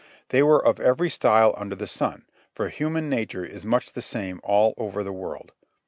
They were of every style under the sun, for human nature is much the same all over the world.